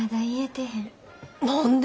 何で？